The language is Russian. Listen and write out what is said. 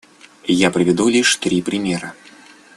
Я приведу лишь три примера.